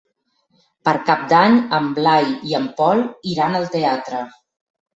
Per Cap d'Any en Blai i en Pol iran al teatre.